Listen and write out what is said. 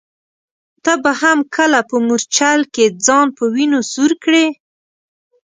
ته به هم کله په مورچل کي ځان په وینو سور کړې ؟